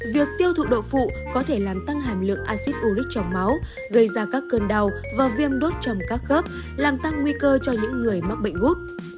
việc tiêu thụ độ phụ có thể làm tăng hàm lượng acid uric trong máu gây ra các cơn đau và viêm đốt trong các khớp làm tăng nguy cơ cho những người mắc bệnh gút